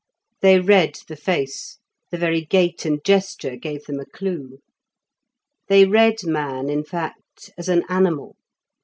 They read the face; the very gait and gesture gave them a clue. They read man, in fact, as an animal.